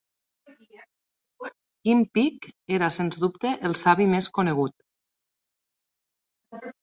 Kim Peek era sens dubte el savi més conegut.